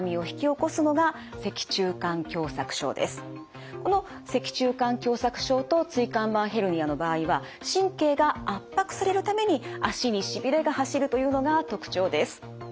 この脊柱管狭窄症と椎間板ヘルニアの場合は神経が圧迫されるために脚にしびれが走るというのが特徴です。